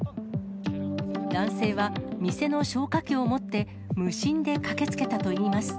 男性は、店の消火器を持って、無心で駆けつけたといいます。